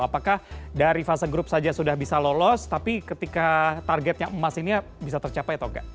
apakah dari fase grup saja sudah bisa lolos tapi ketika targetnya emas ini bisa tercapai atau enggak